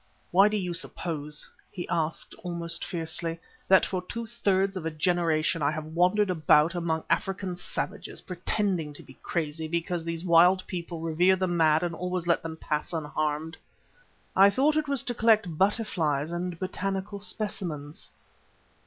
Why do you suppose," he asked almost fiercely, "that for two thirds of a generation I have wandered about among African savages, pretending to be crazy because these wild people revere the mad and always let them pass unharmed?" "I thought it was to collect butterflies and botanical specimens."